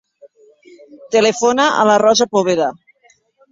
Telefona a la Rosa Poveda.